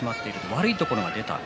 悪いところが出た。